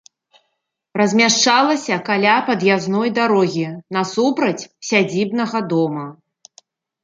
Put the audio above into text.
Размяшчалася каля пад'язной дарогі, насупраць сядзібнага дома.